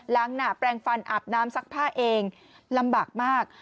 หนาแปลงฟันอาบน้ำซักผ้าเองลำบากมาก